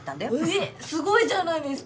えすごいじゃないですか！